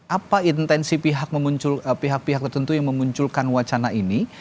apa intensi pihak pihak tertentu yang memunculkan wacana ini